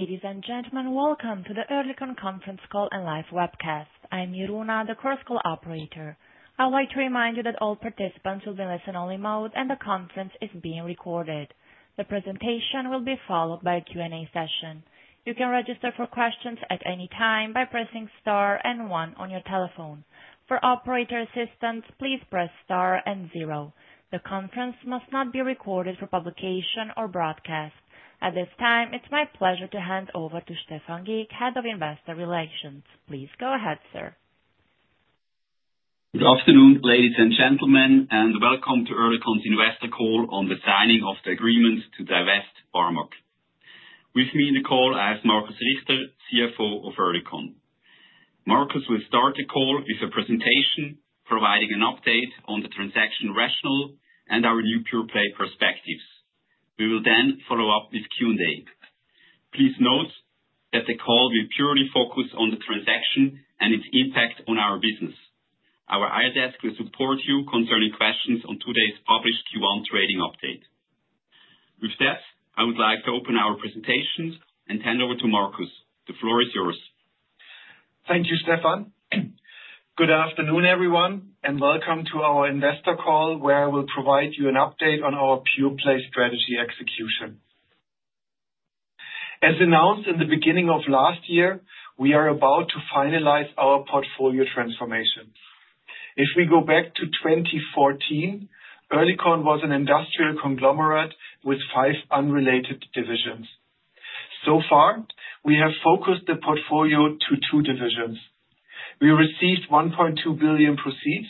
Ladies and gentlemen, welcome to the OC Oerlikon Conference Call and Live Webcast. I'm Yruna, the course call operator. I would like to remind you that all participants will be in listen-only mode and the conference is being recorded. The presentation will be followed by a Q&A session. You can register for questions at any time by pressing Star and one on your telephone. For operator assistance, please press Star and zero. The conference must not be recorded for publication or broadcast. At this time, it's my pleasure to hand over to Stephan Gick, Head of Investor Relations. Please go ahead, sir. Good afternoon, ladies and gentlemen, and welcome to OC Oerlikon's Investor Call on the signing of the agreement to divest Barmag. With me in the call is Markus Richter, CFO of OC Oerlikon. Markus will start the call with a presentation providing an update on the transaction rationale and our new pure-play perspectives. We will then follow up with Q&A. Please note that the call will purely focus on the transaction and its impact on our business. Our iDesk will support you concerning questions on today's published Q1 trading update. With that, I would like to open our presentations and hand over to Markus. The floor is yours. Thank you, Stephan. Good afternoon, everyone, and welcome to our investor call where I will provide you an update on our pure-play strategy execution. As announced in the beginning of last year, we are about to finalize our portfolio transformation. If we go back to 2014, OC Oerlikon was an industrial conglomerate with five unrelated divisions. So far, we have focused the portfolio to two divisions. We received 1.2 billion proceeds,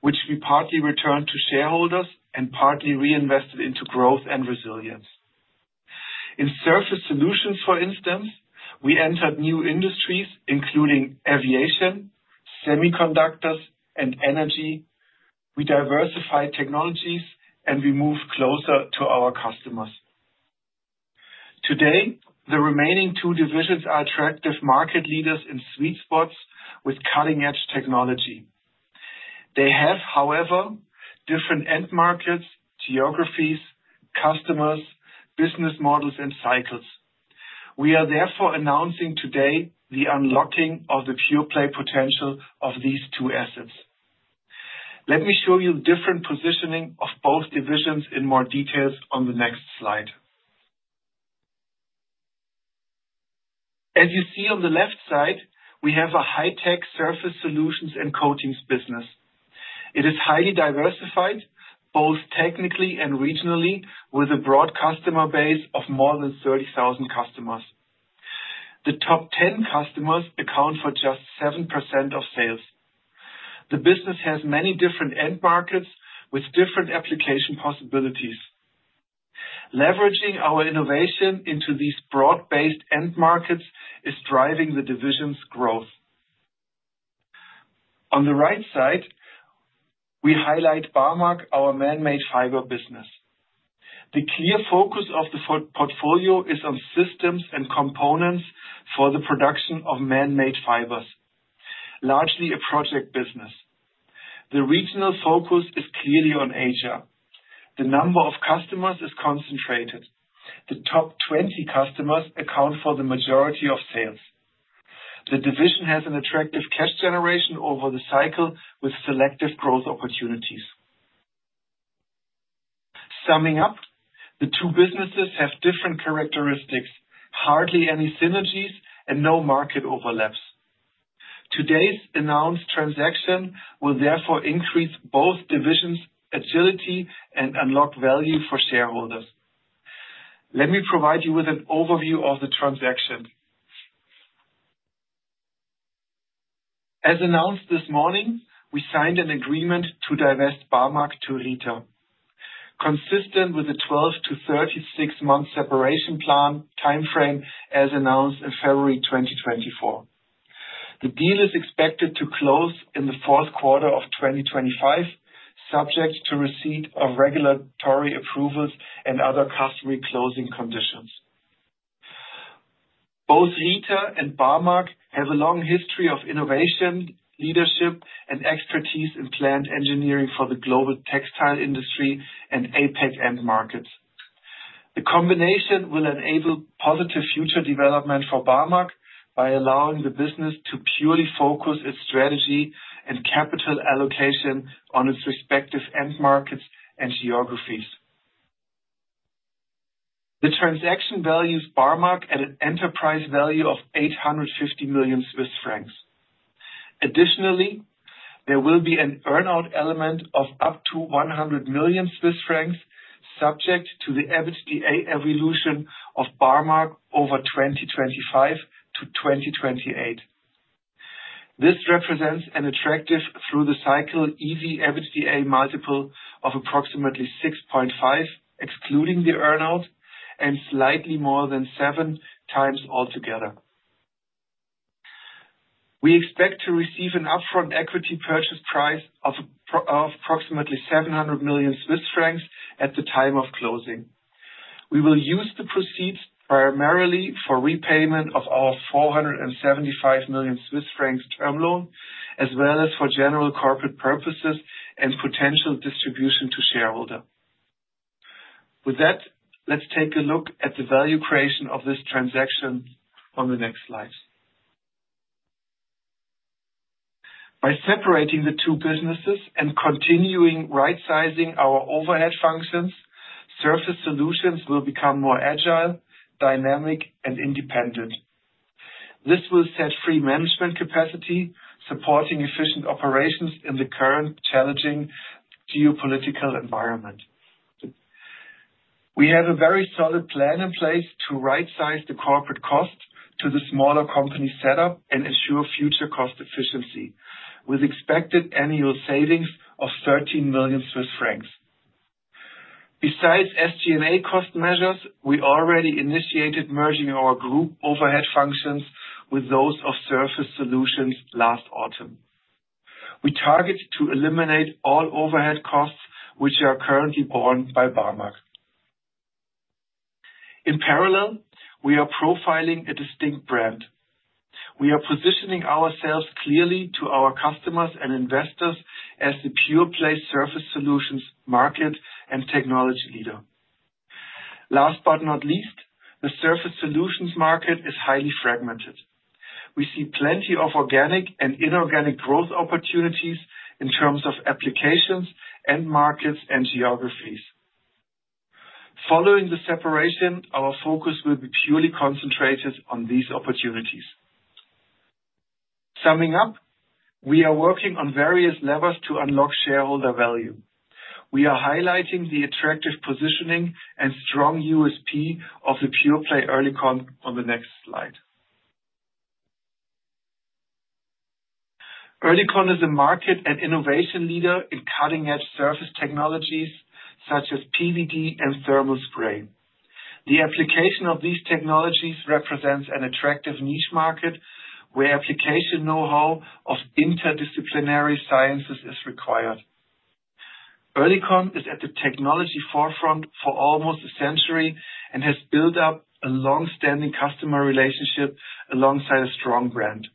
which we partly returned to shareholders and partly reinvested into growth and resilience. In surface solutions, for instance, we entered new industries including aviation, semiconductors, and energy. We diversified technologies and we moved closer to our customers. Today, the remaining two divisions are attractive market leaders in sweet spots with cutting-edge technology. They have, however, different end markets, geographies, customers, business models, and cycles. We are therefore announcing today the unlocking of the pure-play potential of these two assets. Let me show you the different positioning of both divisions in more detail on the next slide. As you see on the left side, we have a high-tech surface solutions and coatings business. It is highly diversified both technically and regionally, with a broad customer base of more than 30,000 customers. The top 10 customers account for just 7% of sales. The business has many different end markets with different application possibilities. Leveraging our innovation into these broad-based end markets is driving the division's growth. On the right side, we highlight Barmag, our man-made fiber business. The clear focus of the portfolio is on systems and components for the production of man-made fibers, largely a project business. The regional focus is clearly on Asia. The number of customers is concentrated. The top 20 customers account for the majority of sales. The division has an attractive cash generation over the cycle with selective growth opportunities. Summing up, the two businesses have different characteristics, hardly any synergies, and no market overlaps. Today's announced transaction will therefore increase both divisions' agility and unlock value for shareholders. Let me provide you with an overview of the transaction. As announced this morning, we signed an agreement to divest Barmag to Rieter, consistent with the 12-36-month separation plan timeframe as announced in February 2024. The deal is expected to close in the fourth quarter of 2025, subject to receipt of regulatory approvals and other customary closing conditions. Both Rieter and Barmag have a long history of innovation, leadership, and expertise in plant engineering for the global textile industry and APEC end markets. The combination will enable positive future development for Barmag by allowing the business to purely focus its strategy and capital allocation on its respective end markets and geographies. The transaction values Barmag at an enterprise value of 850 million Swiss francs. Additionally, there will be an earnout element of up to 100 million Swiss francs, subject to the EBITDA evolution of Barmag over 2025-2028. This represents an attractive, through the cycle, EV/EBITDA multiple of approximately 6.5, excluding the earnout, and slightly more than 7 times altogether. We expect to receive an upfront equity purchase price of approximately 700 million Swiss francs at the time of closing. We will use the proceeds primarily for repayment of our 475 million Swiss francs term loan, as well as for general corporate purposes and potential distribution to shareholders. With that, let's take a look at the value creation of this transaction on the next slides. By separating the two businesses and continuing right-sizing our overhead functions, surface solutions will become more agile, dynamic, and independent. This will set free management capacity, supporting efficient operations in the current challenging geopolitical environment. We have a very solid plan in place to right-size the corporate cost to the smaller company setup and ensure future cost efficiency, with expected annual savings of 13 million Swiss francs. Besides SG&A cost measures, we already initiated merging our group overhead functions with those of surface solutions last autumn. We target to eliminate all overhead costs which are currently borne by Barmag. In parallel, we are profiling a distinct brand. We are positioning ourselves clearly to our customers and investors as the pure-play surface solutions market and technology leader. Last but not least, the surface solutions market is highly fragmented. We see plenty of organic and inorganic growth opportunities in terms of applications, end markets, and geographies. Following the separation, our focus will be purely concentrated on these opportunities. Summing up, we are working on various levers to unlock shareholder value. We are highlighting the attractive positioning and strong USP of the pure-play OC Oerlikon on the next slide. OC Oerlikon is a market and innovation leader in cutting-edge surface technologies such as PVD and thermal spray. The application of these technologies represents an attractive niche market where application know-how of interdisciplinary sciences is required. OC Oerlikon is at the technology forefront for almost a century and has built up a long-standing customer relationship alongside a strong brand.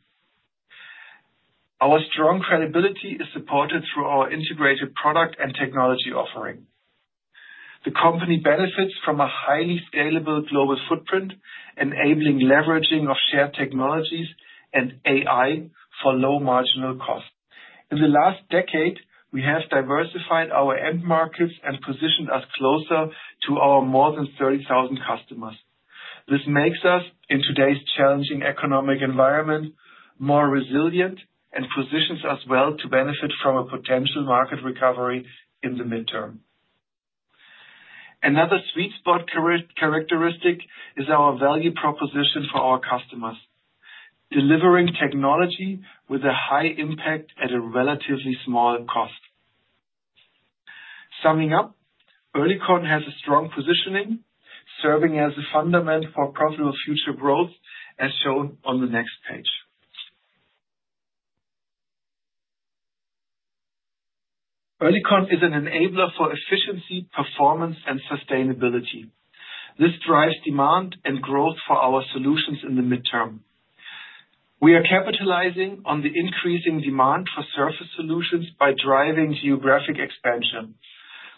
Our strong credibility is supported through our integrated product and technology offering. The company benefits from a highly scalable global footprint, enabling leveraging of shared technologies and AI for low marginal cost. In the last decade, we have diversified our end markets and positioned us closer to our more than 30,000 customers. This makes us, in today's challenging economic environment, more resilient and positions us well to benefit from a potential market recovery in the midterm. Another sweet spot characteristic is our value proposition for our customers, delivering technology with a high impact at a relatively small cost. Summing up, OC Oerlikon has a strong positioning, serving as a fundament for profitable future growth, as shown on the next page. OC Oerlikon is an enabler for efficiency, performance, and sustainability. This drives demand and growth for our solutions in the midterm. We are capitalizing on the increasing demand for surface solutions by driving geographic expansion.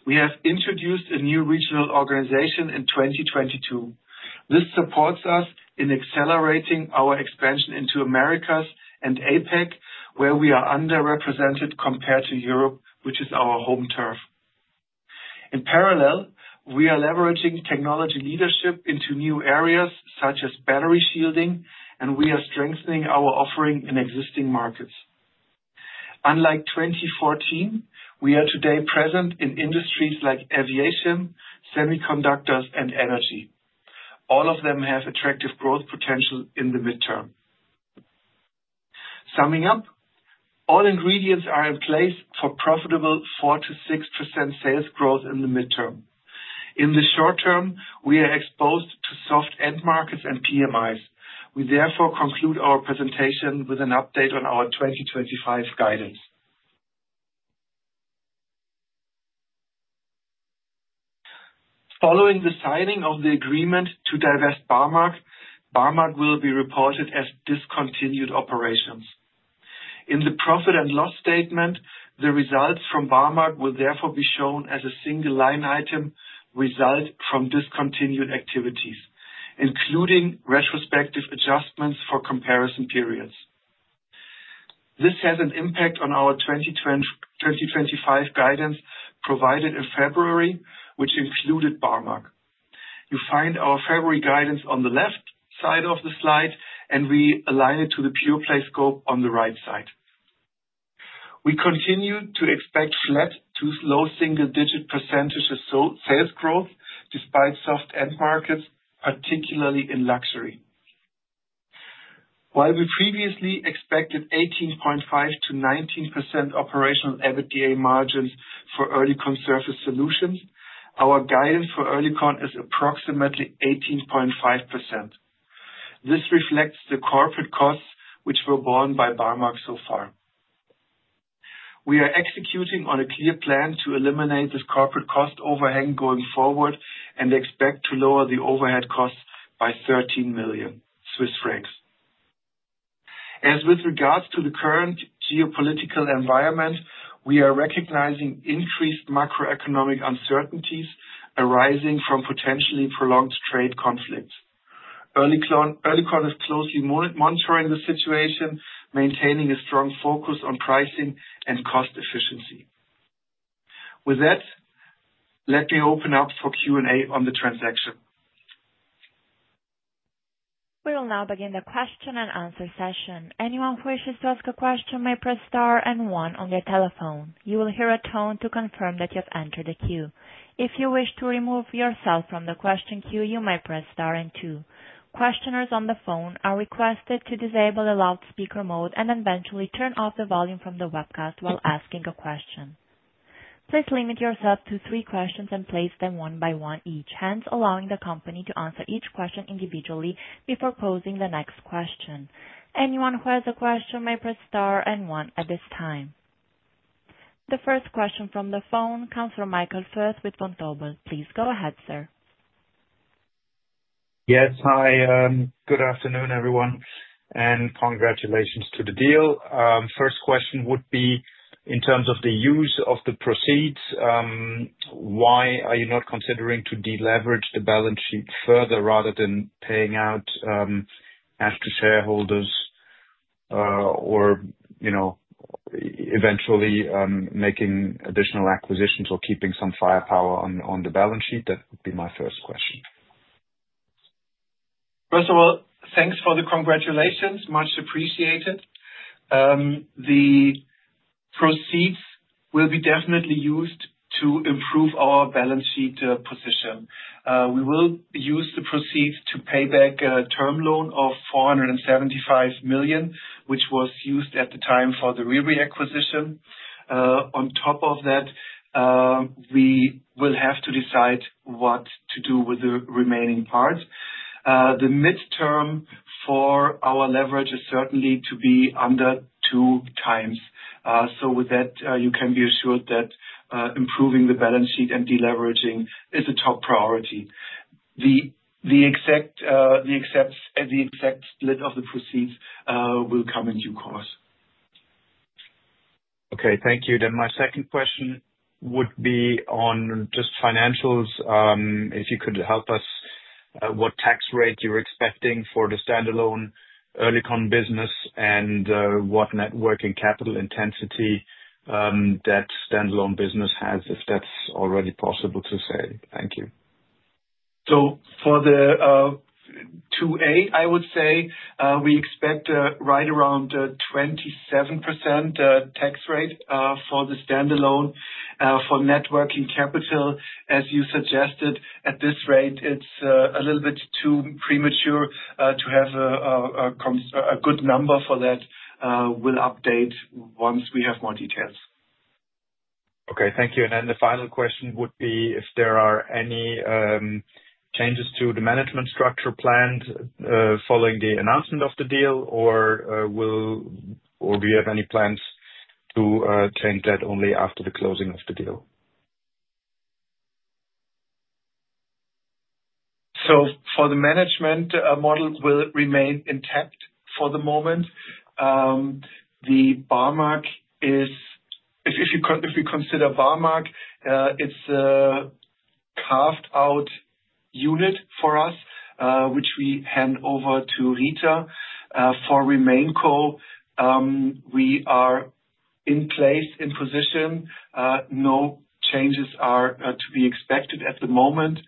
We have introduced a new regional organization in 2022. This supports us in accelerating our expansion into Americas and APEC, where we are underrepresented compared to Europe, which is our home turf. In parallel, we are leveraging technology leadership into new areas such as battery shielding, and we are strengthening our offering in existing markets. Unlike 2014, we are today present in industries like aviation, semiconductors, and energy. All of them have attractive growth potential in the midterm. Summing up, all ingredients are in place for profitable 4%-6% sales growth in the midterm. In the short term, we are exposed to soft end markets and PMIs. We therefore conclude our presentation with an update on our 2025 guidance. Following the signing of the agreement to divest Barmag, Barmag will be reported as discontinued operations. In the profit and loss statement, the results from Barmag will therefore be shown as a single line item result from discontinued activities, including retrospective adjustments for comparison periods. This has an impact on our 2025 guidance provided in February, which included Barmag. You find our February guidance on the left side of the slide, and we align it to the pure-play scope on the right side. We continue to expect flat to low single-digit percentage of sales growth despite soft end markets, particularly in luxury. While we previously expected 18.5%-19% operational EBITDA margins for OC Oerlikon Surface Solutions, our guidance for OC Oerlikon is approximately 18.5%. This reflects the corporate costs which were borne by Barmag so far. We are executing on a clear plan to eliminate this corporate cost overhang going forward and expect to lower the overhead costs by 13 million Swiss francs. As with regards to the current geopolitical environment, we are recognizing increased macroeconomic uncertainties arising from potentially prolonged trade conflicts. OC Oerlikon is closely monitoring the situation, maintaining a strong focus on pricing and cost efficiency. With that, let me open up for Q&A on the transaction. We will now begin the question and answer session. Anyone who wishes to ask a question may press star and one on their telephone. You will hear a tone to confirm that you have entered the queue. If you wish to remove yourself from the question queue, you may press star and two. Questioners on the phone are requested to disable the loudspeaker mode and eventually turn off the volume from the webcast while asking a question. Please limit yourself to three questions and place them one by one each, hence allowing the company to answer each question individually before posing the next question. Anyone who has a question may press star and one at this time. The first question from the phone comes from Michael Fuchs with Vontobel. Please go ahead, sir. Yes, hi. Good afternoon, everyone, and congratulations to the deal. First question would be, in terms of the use of the proceeds, why are you not considering to deleverage the balance sheet further rather than paying out after shareholders or eventually making additional acquisitions or keeping some firepower on the balance sheet? That would be my first question. First of all, thanks for the congratulations. Much appreciated. The proceeds will be definitely used to improve our balance sheet position. We will use the proceeds to pay back a term loan of 475 million, which was used at the time for the RIRI acquisition. On top of that, we will have to decide what to do with the remaining parts. The midterm for our leverage is certainly to be under two times. With that, you can be assured that improving the balance sheet and deleveraging is a top priority. The exact split of the proceeds will come in due course. Okay, thank you. My second question would be on just financials. If you could help us, what tax rate you're expecting for the standalone OC Oerlikon business and what net working capital intensity that standalone business has, if that's already possible to say. Thank you. For the 2A, I would say we expect right around 27% tax rate for the standalone. For networking capital, as you suggested, at this rate, it's a little bit too premature to have a good number for that. We'll update once we have more details. Okay, thank you. The final question would be if there are any changes to the management structure planned following the announcement of the deal, or do you have any plans to change that only after the closing of the deal? For the management model, we'll remain intact for the moment. If we consider Barmag, it's a carved-out unit for us, which we hand over to Rieter. For RemainCo, we are in place, in position. No changes are to be expected at the moment.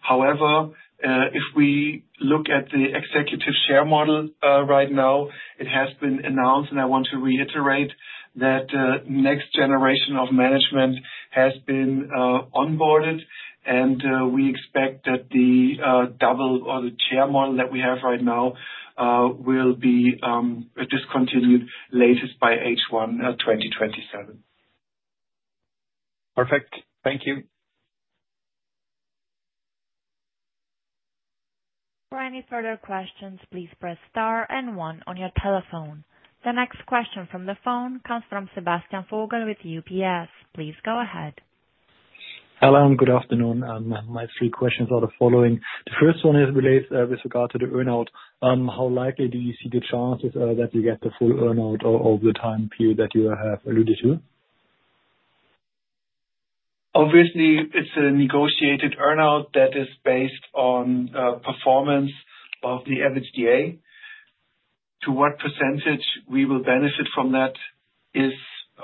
However, if we look at the executive share model right now, it has been announced, and I want to reiterate that the next generation of management has been onboarded, and we expect that the double or the chair model that we have right now will be discontinued latest by H1 2027. Perfect. Thank you. For any further questions, please press star and one on your telephone. The next question from the phone comes from Sebastian Vogel with UBS. Please go ahead. Hello, and good afternoon. My three questions are the following. The first one relates with regard to the earnout. How likely do you see the chances that you get the full earnout over the time period that you have alluded to? Obviously, it's a negotiated earnout that is based on performance of the EBITDA. To what percentage we will benefit from that is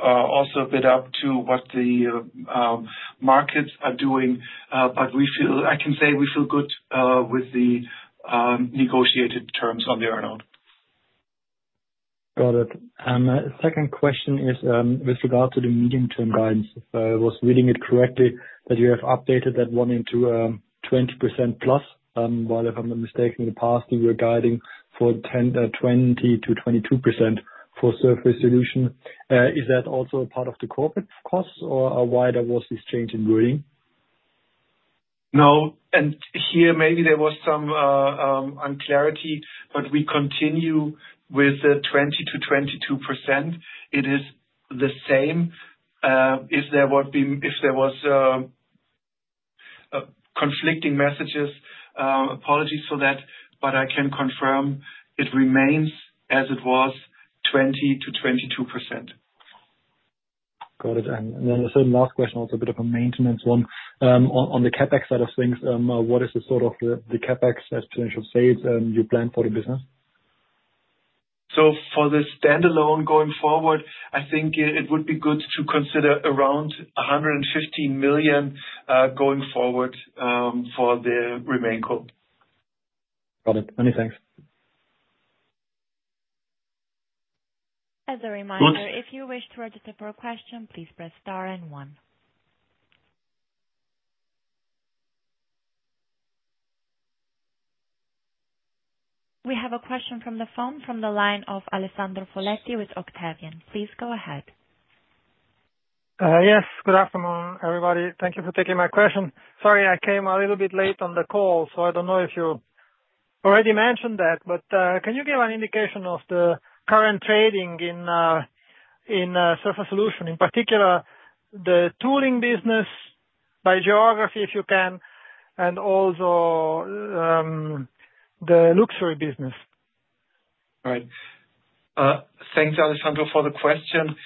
also a bit up to what the markets are doing, but I can say we feel good with the negotiated terms on the earnout. Got it. My second question is with regard to the medium-term guidance. If I was reading it correctly, that you have updated that one into 20%+, while if I'm not mistaken, in the past, you were guiding for 20%-22% for surface solution. Is that also part of the corporate costs, or why there was this change in wording? No. Here, maybe there was some unclarity, but we continue with the 20%-22%. It is the same. If there was conflicting messages, apologies for that, but I can confirm it remains as it was, 20%-22%. Got it. The last question, also a bit of a maintenance one. On the CapEx side of things, what is the sort of the CapEx that you plan for the business? For the standalone going forward, I think it would be good to consider around 115 million going forward for the RemainCo. Got it. Many thanks. As a reminder, if you wish to register for a question, please press star and one. We have a question from the phone from the line of Alessandro Foletti with Octavian. Please go ahead. Yes, good afternoon, everybody. Thank you for taking my question. Sorry, I came a little bit late on the call, so I do not know if you already mentioned that, but can you give an indication of the current trading in surface solutions, in particular the tooling business by geography, if you can, and also the luxury business? All right. Thanks, Alessandro, for the question.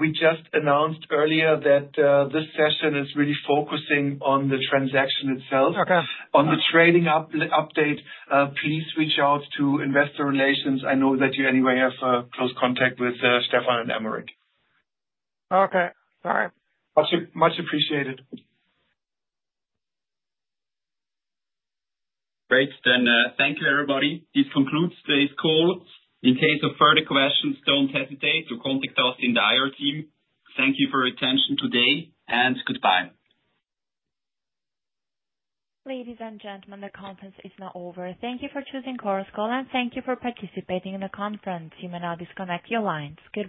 We just announced earlier that this session is really focusing on the transaction itself. On the trading update, please reach out to investor relations. I know that you anyway have close contact with Stephan and Aymeric. Okay. All right. Much appreciated. Great. Thank you, everybody. This concludes today's call. In case of further questions, do not hesitate to contact us in the IR team. Thank you for your attention today, and goodbye. Ladies and gentlemen, the conference is now over. Thank you for choosing Chorus Call and thank you for participating in the conference. You may now disconnect your lines. Good.